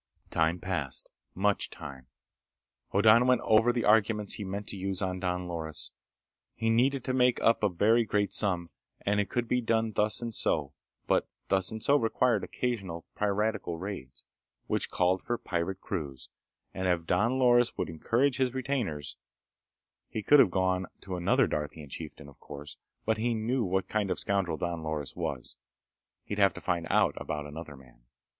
Time passed. Much time. Hoddan went over the arguments he meant to use on Don Loris. He needed to make up a very great sum, and it could be done thus and so, but thus and so required occasional piratical raids, which called for pirate crews, and if Don Loris would encourage his retainers— He could have gone to another Darthian chieftain, of course, but he knew what kind of scoundrel Don Loris was. He'd have to find out about another man.